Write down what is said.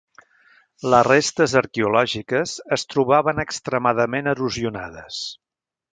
Les restes arqueològiques es trobaven extremadament erosionades.